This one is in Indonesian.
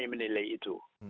siapa yang menilai itu